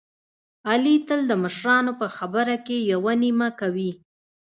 علي تل د مشرانو په خبره کې یوه نیمه کوي.